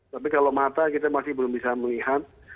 tapi kalau mata kita masih belum bisa melihat